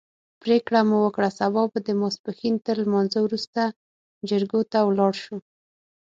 پرېکړه مو وکړه سبا به د ماسپښین تر لمانځه وروسته جریکو ته ولاړ شو.